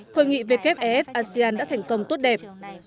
hội nghị về kép ef asean đã thành công tốt đẹp